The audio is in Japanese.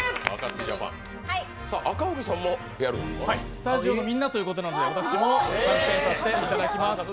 スタジオのみんなということなので私も参加させてもらいます。